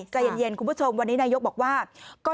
ใจเย็นคุณผู้ชมวันนี้นายกรัฐมนตรีชี้แจงบอกว่า